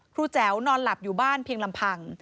แจ๋วนอนหลับอยู่บ้านเพียงลำพัง